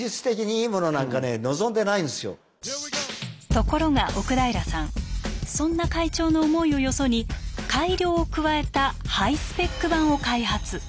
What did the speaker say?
ところが奥平さんそんな会長の思いをよそに改良を加えたハイスペック版を開発。